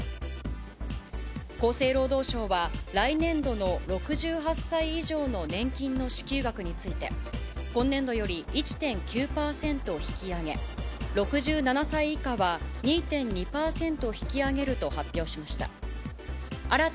厚生労働省は、来年度の６８歳以上の年金の支給額について、今年度より１．９％引き上げ、６７歳以下は２．２％引き上げると発表しました。